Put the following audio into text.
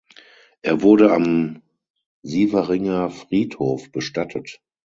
Er wurde am Sieveringer Friedhof bestattet.